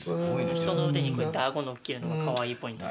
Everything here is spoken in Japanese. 人の腕にこうやって顎のっけるのがカワイイポイントです。